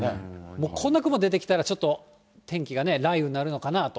もうこんな雲出てきたら、ちょっと天気がね、雷雨になるのかなぁと。